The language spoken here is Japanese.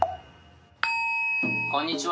こんにちは。